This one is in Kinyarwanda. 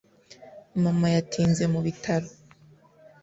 mama yatinze mu bitaro